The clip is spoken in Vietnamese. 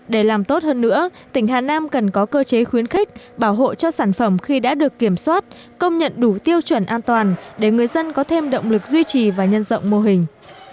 để làm tốt hơn nữa tỉnh hà nam cần có cơ chế khuyến khích bảo hộ cho sản phẩm khi đã được kiểm soát công nhận đủ tiêu chuẩn an toàn để người dân có thêm động lực duy trì và nhân rộng mô hình